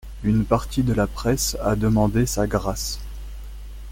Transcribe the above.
Une partie de la presse a demandé sa grâce.